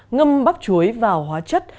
ngâm bắp chuối vào hóa chất